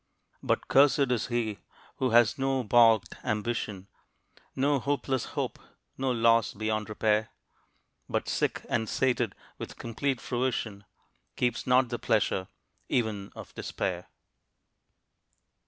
But cursed is he who has no balked ambition, No hopeless hope, no loss beyond repair, But sick and sated with complete fruition, Keeps not the pleasure even of despair.